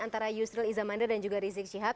antara yusril izamandir dan juga rizik syihab